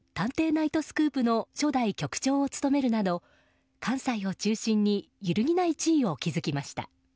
ナイトスクープ」の初代局長を務めるなど関西を中心に揺るぎない地位を築きました。